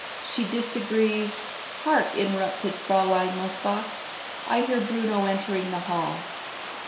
She disagrees " "Hark!" interrupted Fraulein Mosebach. "I hear Bruno entering the hall."